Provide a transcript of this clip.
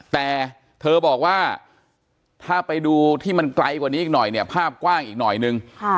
แต่เธอบอกว่าถ้าไปดูที่มันไกลกว่านี้อีกหน่อยเนี่ยภาพกว้างอีกหน่อยนึง